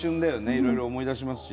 いろいろ思い出しますし。